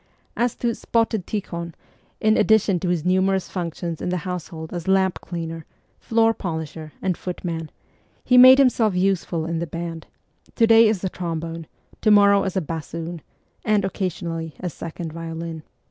As to ' spotted Tikhon,' in addition to his numerous functions in the household as lamp cleaner, floor polisher, and footman, he made himself useful in the band to day as a trombone, to morrow as a bassoon, and occasionally as second violin.